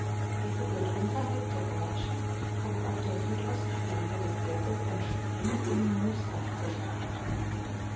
Diese wird unterhalb der Ortschaft vom auf der Südostflanke des Berges entspringenden Moosbach gespeist.